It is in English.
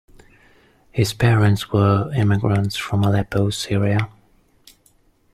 His parents were immigrants from Aleppo, Syria.